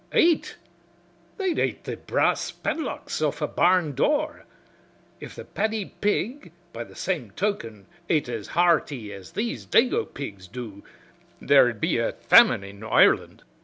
Ate? They'd ate the brass padlocks off of a barn door I If the paddy pig, by the same token, ate as hearty as these dago pigs do, there'd be a famine in Ireland."